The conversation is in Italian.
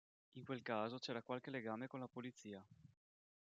In quel caso c'era qualche legame con la polizia.